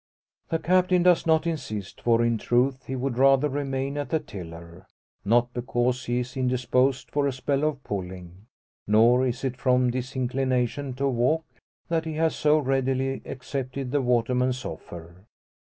The Captain does not insist, for in truth he would rather remain at the tiller. Not because he is indisposed for a spell of pulling. Nor is it from disinclination to walk, that he has so readily accepted the waterman's offer.